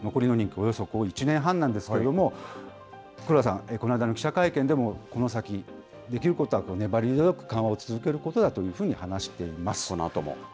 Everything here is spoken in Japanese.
およそ１年半なんですけれども、黒田さん、この間の記者会見でも、この先、できることは粘り強く緩和を続けることこのあとも。